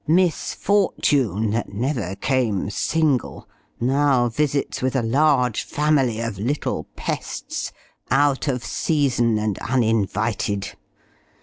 Miss Fortune, that never came single, now visits with a large family of little pests out of season and uninvited!